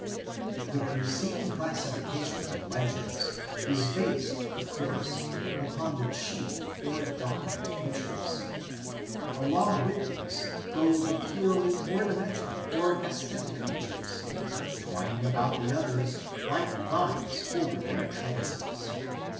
The preceding classification of legends is based of course upon the chief or dominant features. Along with these go the purely ornamental or aesthetic features, twining about the others like vines over their trellises.